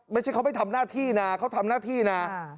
ไม่ใช่เขาไปทำหน้าที่นะเขาทำหน้าที่นะ